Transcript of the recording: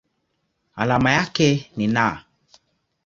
Alama yake ni Na.